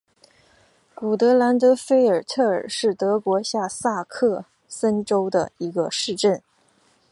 古德兰德菲尔特尔是德国下萨克森州的一个市镇。